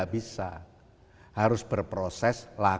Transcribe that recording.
pada saat ini